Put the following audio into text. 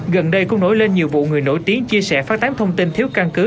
gần đây cũng nổi lên nhiều vụ người nổi tiếng chia sẻ phát tán thông tin thiếu căn cứ